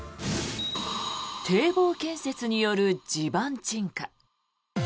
堤防建設による地盤沈下。